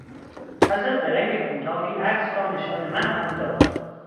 پس از درنگ کوتاهی عکس را نشان من هم داد.